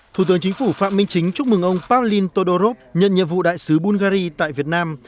thủ tướng chính phủ phạm minh chính chúc mừng ông pavlin todorov nhận nhiệm vụ đại sứ bulgari tại việt nam